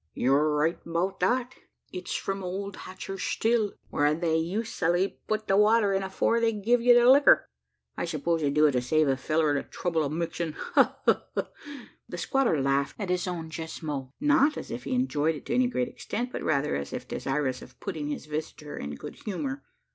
"Yur right 'bout that. Its from old Hatcher's still whar they us'ally put the water in afore they give ye the licker. I s'pose they do it to save a fellur the trouble o' mixing Ha! ha! ha!" The squatter laughed at his own jest mot as if he enjoyed it to any great extent, but rather as if desirous of putting his visitor in good humour.